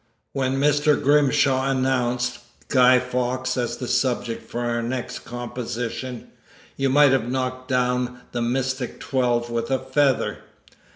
When Mr. Grimshaw announced "Guy Fawkes" as the subject for our next composition, you might have knocked down the Mystic Twelve with a feather.